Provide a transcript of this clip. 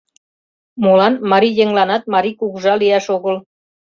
Молан марий еҥланат марий кугыжа лияш огыл?